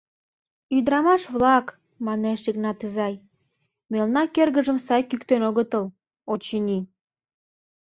— Ӱдырамаш-влак, — манеш Игнат изай, — мелна кӧргыжым сай кӱктен огытыл, очыни.